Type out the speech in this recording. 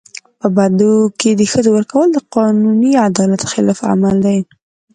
په بدو کي د ښځو ورکول د قانوني عدالت خلاف عمل دی.